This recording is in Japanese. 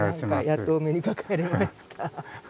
やっとお目にかかれました。